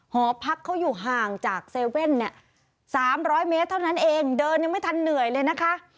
หอพักเขาอยู่ห่างจาก๗๑๑เนี่ย๓๐๐เมตรเท่านั้นเองเดินยังไม่ทันเหนื่อยเลยนะคะ